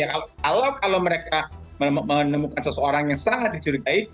kalau mereka menemukan seseorang yang sangat dicurigai